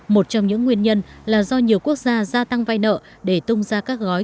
một trong những nguyên nhân là do nhiều quốc gia gia tăng vai nợ để tung ra các gói